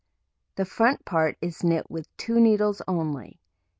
The front part is knit with 2 needles only.